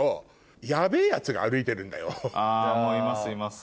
あいますいます。